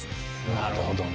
なるほどね。